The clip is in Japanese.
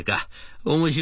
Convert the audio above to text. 面白いね。